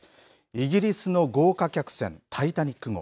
イギリスの豪華客船、タイタニック号。